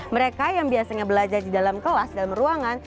mereka yang biasanya belajar di dalam kelas dalam ruangan